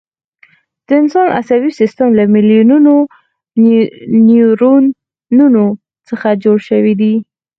د انسان عصبي سیستم له میلیونونو نیورونونو څخه جوړ شوی دی.